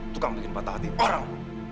tukang bikin patah hati parang